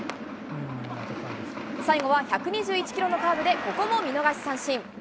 最後は１２１キロのカーブでここも見逃し三振。